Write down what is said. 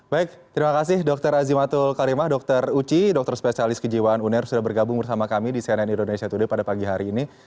baik terima kasih dokter azimatul karimah dokter uci dokter spesialis kejiwaan uner sudah bergabung bersama kami di cnn indonesia today pada pagi hari ini